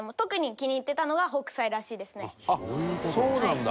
あっそうなんだ。